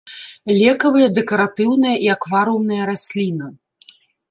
Лекавая, дэкаратыўная і акварыумная расліна.